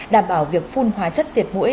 đảm bảo việc phun hóa chất diệt mũi